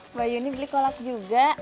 mbak yuni beli kolak juga